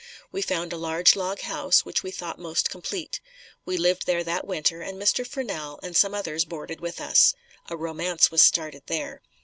We found a large log house which we thought most complete. We lived there that winter and Mr. Furnell and some others boarded with us. A romance was started there.